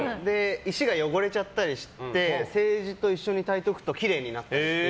石が汚れちゃったりしてセージと一緒にたいておくときれいになって。